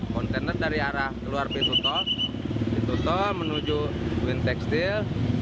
kontainer dari arah keluar pintu tol pintu tol menuju wind tekstil